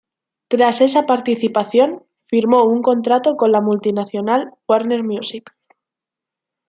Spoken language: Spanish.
Tras esa participación, firmó un contrato con la multinacional Warner Music.